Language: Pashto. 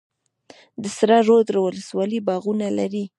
د سره رود ولسوالۍ باغونه لري